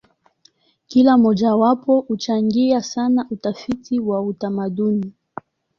Kila mojawapo huchangia sana utafiti wa utamaduni.